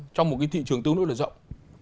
trong một cái thị trường tương đối là rộng